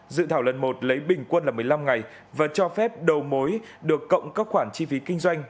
dự thảo lần một lấy bình quân là một mươi năm ngày và cho phép đầu mối được cộng các khoản chi phí kinh doanh